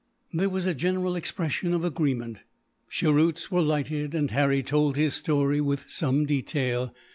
There was a general expression of agreement. Cheroots were lighted, and Harry told his story, with some detail.